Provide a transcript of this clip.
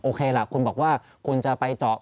ล่ะคุณบอกว่าคุณจะไปเจาะ